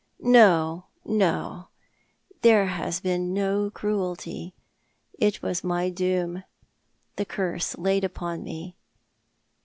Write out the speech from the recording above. " No, no, there has been no cruelty. It was my doom — the curse laid upon me.